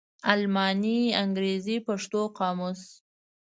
الماني _انګرېزي_ پښتو قاموس